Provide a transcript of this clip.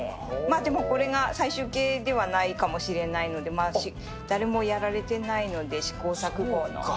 でもこれが最終形ではないかもしれないので、誰もやられていないので、試行錯誤の。